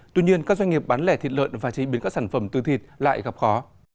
tuy nhiên các doanh nghiệp bán lẻ thịt lợn và chế biến các sản phẩm tư thịt lại gặp khó